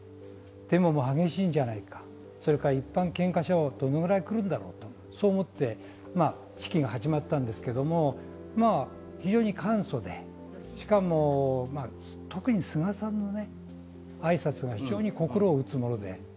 デモは激しいんじゃないだろうか、また一般献花者はどれくらい来るんだろうと思って式が始まったんですけれども、非常に簡素でしかも特に菅さんのね、挨拶が非常に心を打つもので。